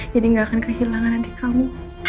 jadi gak akan kehilangan adik kamu